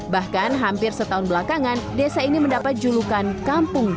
bahkan hampir setahun belakangan desa ini mendapat jubah